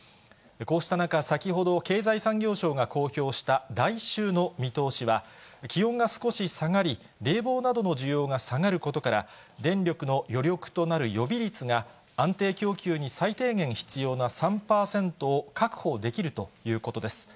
こうした中、先ほど、経済産業省が公表した来週の見通しは、気温が少し下がり、冷房などの需要が下がることから、電力の余力となる予備率が、安定供給に最低限必要な３％を確保できるということです。